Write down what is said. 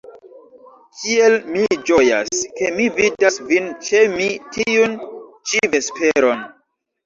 Kiel mi ĝojas, ke mi vidas vin ĉe mi tiun ĉi vesperon.